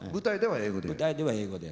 舞台では英語で。